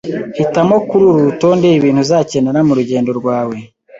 Hitamo kururu rutonde ibintu uzakenera murugendo rwawe.